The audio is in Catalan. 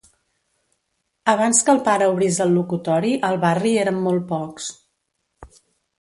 Abans que el pare obrís el locutori al barri érem molt pocs.